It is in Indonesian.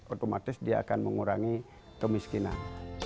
otomatis dia akan mengurangi kemiskinan